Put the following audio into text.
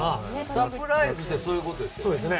サプライズってそういうことですよね。